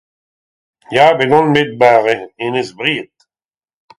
Ya, bet on bet war Enez Vriad.